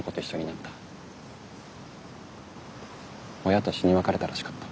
親と死に別れたらしかった。